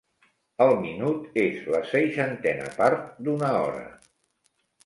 El minut és la seixantena part d'una hora.